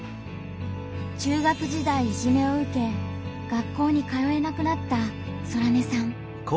中学時代いじめを受け学校に通えなくなったソラネさん。